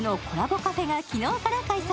カフェが昨日から開催。